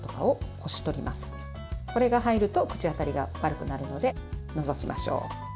これが入ると口当たりが悪くなるので除きましょう。